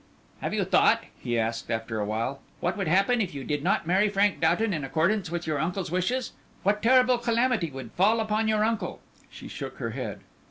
"Have you thought?" he asked, after a while, "what would happen if you did not marry Frank Doughton in accordance with your uncle's wishes what terrible calamity would fall upon your uncle?" She shook her head.